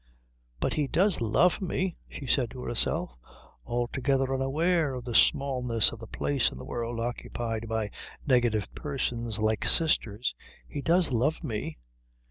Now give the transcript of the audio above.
"But he does love me," she said to herself, altogether unaware of the smallness of the place in the world occupied by negative persons like sisters "he does love me."